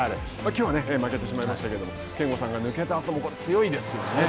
きょうは負けてしまいましたけども憲剛さんが抜けたあともそうですね。